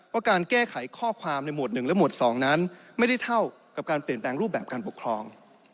ว่าการแก้ไขข้อความในหมวด๑และหมวด๒นั้นไม่ได้เท่ากับการเปลี่ยนแปลงรูปแบบการปกครอง